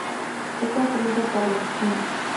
Fue construido por los chinos.